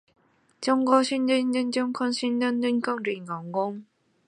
埃斯蒂瓦是巴西米纳斯吉拉斯州的一个市镇。